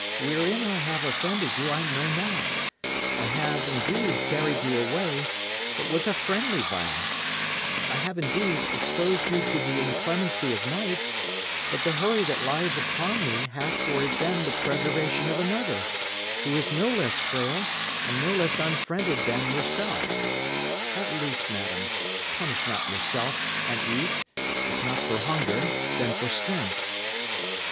Wherein I have offended you, I know not; I have, indeed, carried you away, but with a friendly violence; I have, indeed, exposed you to the inclemency of night, but the hurry that lies upon me hath for its end the preservation of another, who is no less frail and no less unfriended than yourself. At least, madam, punish not yourself; and eat, if not for hunger, then for strength."